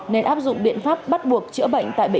nên áp dụng biện pháp bắt buộc chữa bệnh tại bệnh viện